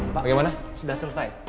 pak bagaimana sudah selesai